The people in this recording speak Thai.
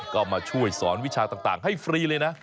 ก็มาช่วยสอนวิชาต่างให้ฟรีเลยนะ